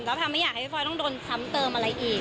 แล้วพลอยไม่อยากให้พี่พลอยต้องโดนซ้ำเติมอะไรอีก